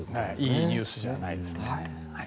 いいニュースじゃないですね。